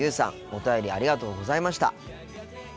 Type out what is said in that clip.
お便りありがとうございました。